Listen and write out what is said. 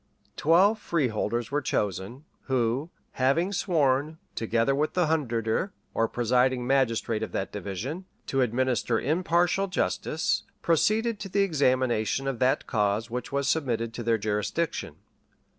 Twelve freeholders were chosen, who, having sworn, together with the hundreder, or presiding magistrate of that division, to administer impartial justice,[] proceeded to the examination of that cause which was submitted to their jurisdiction.